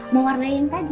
mau warnai yang tadi